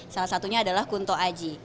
salah satunya adalah kunto aji